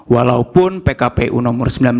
walaupun pkpu nomor sembilan belas